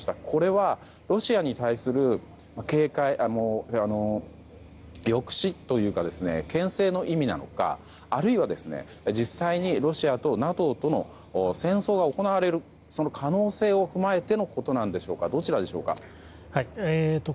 これは、ロシアに対する抑止というか牽制の意味なのかあるいは実際にロシアとＮＡＴＯとの戦争が行われるその可能性を踏まえてのことなんでしょうかどちらでしょうか。